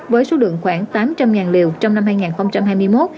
với số lượng khoảng tám trăm linh liều trong năm hai nghìn hai mươi một